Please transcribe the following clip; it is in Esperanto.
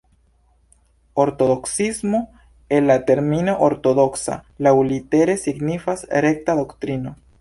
Ortodoksismo, el la termino "ortodoksa" laŭlitere signifas "rekta doktrino".